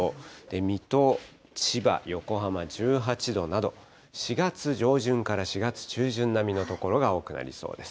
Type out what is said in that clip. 水戸、千葉、横浜１８度など、４月上旬から４月中旬並みの所が多くなりそうです。